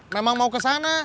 memang mau kesana